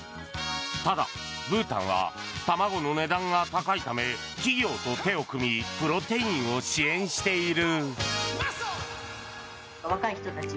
ただ、ブータンは卵の値段が高いため企業と手を組みプロテインを支援している。